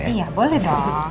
iya boleh dong